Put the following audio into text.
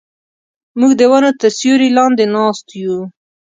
موږ د ونو تر سیوري لاندې ناست یو.